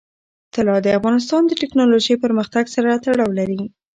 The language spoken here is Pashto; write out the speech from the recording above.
طلا د افغانستان د تکنالوژۍ پرمختګ سره تړاو لري.